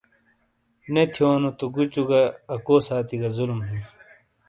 نے تھیونوتو گوچوگہ اکو ساتی گہ ظلم ہی ۔